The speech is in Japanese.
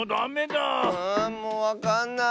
もうわかんない。